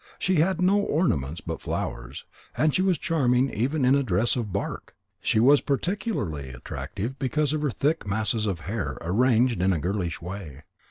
She had no ornaments but flowers. She was charming even in a dress of bark. She was particularly attractive because of her thick masses of hair arranged in a girlish way.